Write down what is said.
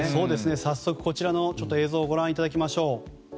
早速こちらの映像をご覧いただきましょう。